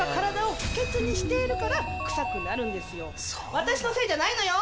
私のせいじゃないのよ！